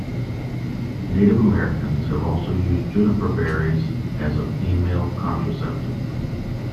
Native Americans have also used juniper berries as a female contraceptive.